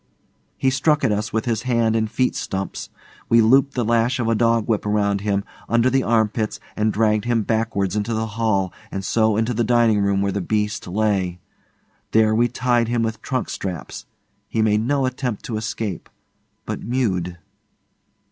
He struck at us with his hand and feet stumps. We looped the lash of a dog whip round him, under the armpits, and dragged him backwards into the hall and so into the dining room where the beast lay. There we tied him with trunk straps. He made no attempt to escape, but mewed.